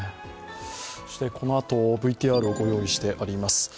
そしてこのあと、ＶＴＲをご用意してあります。